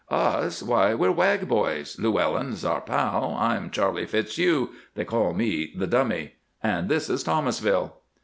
"Us? Why, we're Wag boys! Llewellyn's our pal. I'm Charley Fitzhugh; they call me the Dummy. And this is Thomasville."